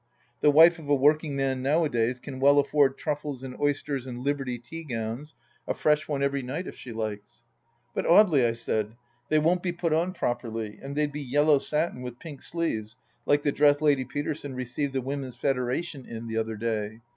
The wife of a working man nowadays can well afford truffles and oysters and Liberty tea gowns — a fresh one every night if she likes." " But, Audely," I said, " they won't be put on properly, and they'd be yellow satin with piak sleeves, like the dress Lady Peterson received the Women's Federation in the other day.